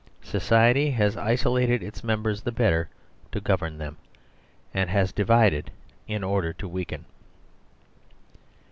Society has iso lated its members the better to govern them, and has divided in order to weaken."